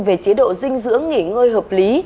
về chế độ dinh dưỡng nghỉ ngơi hợp lý